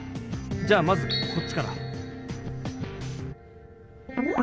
じゃあまずこっちから。